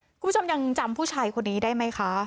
คุณผู้ชมยังจำผู้ชายคนนี้ได้ไหมคะ